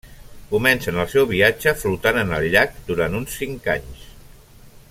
Comencen el seu viatge flotant en el llac durant uns cinc anys.